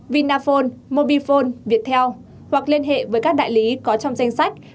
vinaphone mobifone viettel hoặc liên hệ với các đại lý có trong danh sách